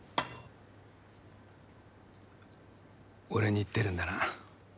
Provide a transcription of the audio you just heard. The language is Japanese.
俺に言ってるんだな。